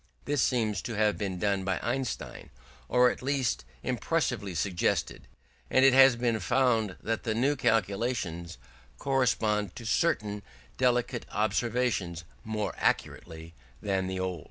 This seems to have been done by Einstein, or at least impressively suggested: and it has been found that the new calculations correspond to certain delicate observations more accurately than the old.